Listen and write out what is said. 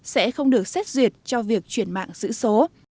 sẽ không được xét duyệt cho việc chuyển mạng giữ số